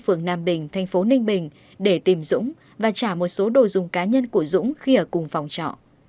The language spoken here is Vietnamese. phường nam bình thành phố ninh bình để tìm dũng và trả một số đồ dùng cá nhân của dũng khi ở cùng phòng trọ